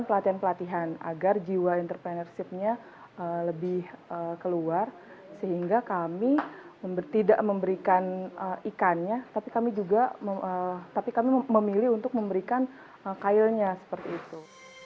pelatihan pelatihan agar jiwa entrepreneurshipnya lebih keluar sehingga kami tidak memberikan ikannya tapi kami juga tapi kami memilih untuk memberikan kailnya seperti itu